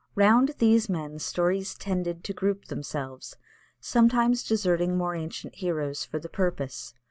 Round these men stories tended to group themselves, sometimes deserting more ancient heroes for the purpose.